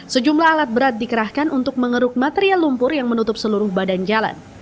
sejumlah alat berat dikerahkan untuk mengeruk material lumpur yang menutup seluruh badan jalan